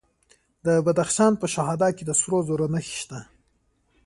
د بدخشان په شهدا کې د سرو زرو نښې شته.